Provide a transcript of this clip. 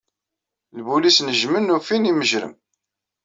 Lbulis nejjmen ufin imejrem.